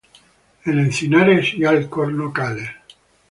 En encinares y alcornocales.